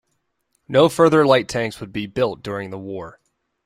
No further light tanks would be built during the war.